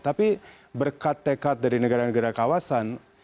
tapi berkat tekad dari negara negara kawasan